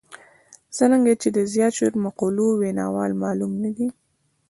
څرنګه چې د زیات شمېر مقولو ویناوال معلوم نه دي.